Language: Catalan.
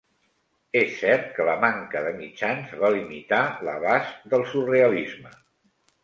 És cert que la manca de mitjans va limitar l'abast del surrealisme.